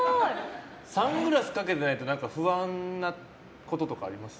サングラスかけてないと不安なこととかあります？